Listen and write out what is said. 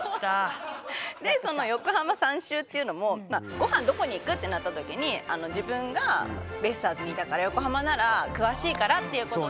その横浜３周っていうのもご飯どこに行く？ってなった時に自分がベイスターズにいたから横浜なら詳しいからっていうことで。